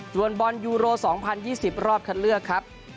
ส่วนบอลยูโร๒๐๒๐รอบคัดเลือกครับ